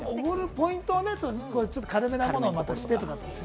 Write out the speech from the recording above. ポイントは軽めなものをとかね。